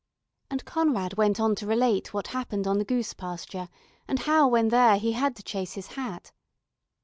And Conrad went on to relate what happened on the goose pasture, and how when there he had to chase his hat.